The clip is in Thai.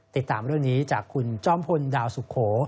ติดตามเรื่องนี้จากคุณจอมพลดาวสุโข